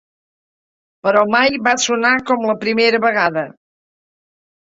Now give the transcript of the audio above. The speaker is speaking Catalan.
Però mai va sonar com la primera vegada.